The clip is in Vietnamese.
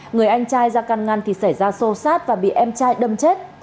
người anh trai ra căn ngăn thì xảy ra sô sát và bị em trai đâm chết